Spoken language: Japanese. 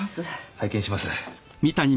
拝見します。